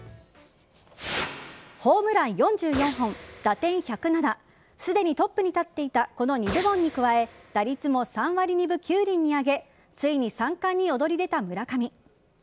ホームラン、４４本打点、１０７すでにトップに立っていたこの２部門に加え打率も３割２分９厘に上げついに三冠に躍り出た村上。